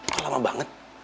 kok lama banget